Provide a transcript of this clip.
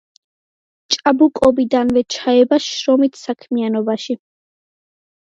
ჭაბუკობიდანვე ჩაება შრომით საქმიანობაში.